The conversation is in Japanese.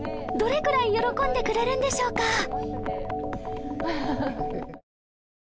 どれくらい喜んでくれるんでしょうか？